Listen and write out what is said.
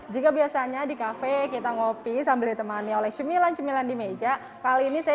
jika biasanya di kafe kita ngopi sambil ditemani oleh cemilan cemilan di meja kali ini saya